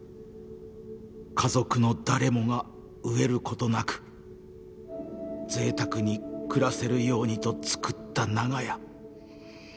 家族の誰もが飢える事なく贅沢に暮らせるようにと作った長屋